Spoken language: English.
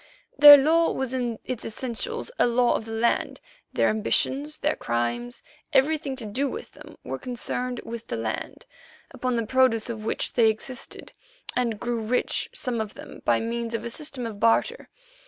Their law was in its essentials a law of the land; their ambitions, their crimes, everything to do with them, were concerned with the land, upon the produce of which they existed and grew rich, some of them, by means of a system of barter.